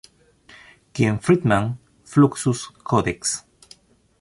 "Ken Friedman." "Fluxus Codex".